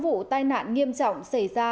vụ tai nạn nghiêm trọng xảy ra